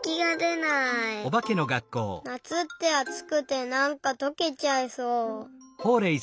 なつってあつくてなんかとけちゃいそう。